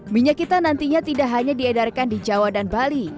minyak kita nantinya tidak hanya diedarkan di jawa dan bali